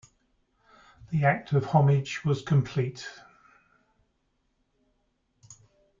The act of homage was complete.